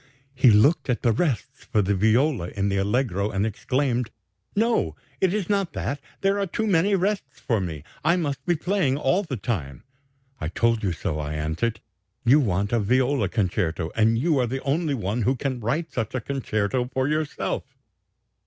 He looked at the rests for the viola in the allegro and exclaimed: 'No, it is not that: there are too many rests for me; I must be playing all the time.' 'I told you so,' I answered; 'you want a viola concerto, and you are the only one who can write such a concerto for yourself.'